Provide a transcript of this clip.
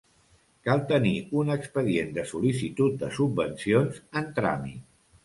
Cal tenir un expedient de sol·licitud de subvencions en tràmit.